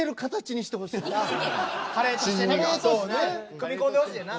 組み込んでほしいねんな。